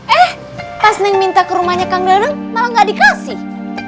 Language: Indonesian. eh pas neng minta ke rumahnya kang danang malah gak dikasih